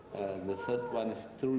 yang ketiga adalah orang benar benar gila